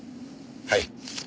はい。